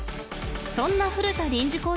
そんな古田臨時